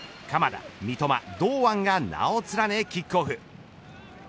鎌田、三笘、堂安が名を連ねキックオフ。